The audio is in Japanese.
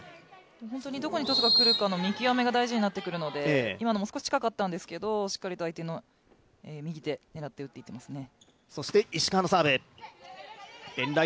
本当にどこにトスが来るかの見極めが大事になってくるので今のも少し近かったんですけど、しっかりと相手の右手を狙って打っていっていますね。